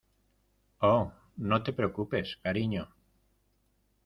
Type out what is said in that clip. Oh, no te preocupes , cariño.